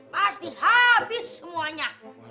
pasti habis semuanya